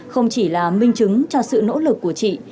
không chỉ là minh chứng cho sự nỗ lực của chị